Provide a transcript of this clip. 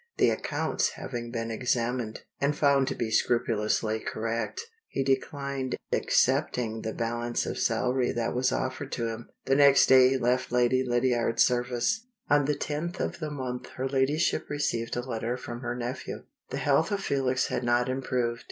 The accounts having been examined, and found to be scrupulously correct, he declined accepting the balance of salary that was offered to him. The next day he left Lady Lydiard's service. On the tenth of the month her Ladyship received a letter from her nephew. The health of Felix had not improved.